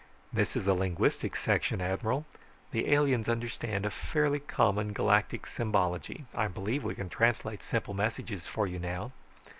"This is the linguistics section, Admiral. The aliens understand a fairly common galactic symbology, I believe we can translate simple messages for you now."